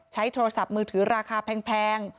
ใช้โทรศัพท์มือถือราคาแพง